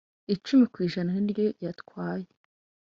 icumi ku ijana niyo yatwaye.